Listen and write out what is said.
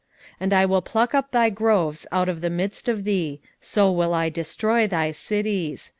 5:14 And I will pluck up thy groves out of the midst of thee: so will I destroy thy cities.